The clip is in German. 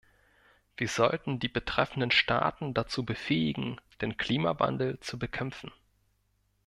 Wir sollten die betreffenden Staaten dazu befähigen, den Klimawandel zu bekämpfen.